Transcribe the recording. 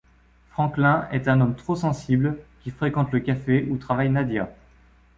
Franklin est un homme trop sensible qui fréquente le café où travaille Nadia.